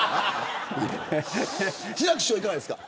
志らく師匠、いかがですか。